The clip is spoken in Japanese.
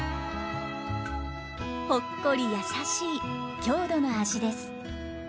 ほっこり優しい郷土の味です。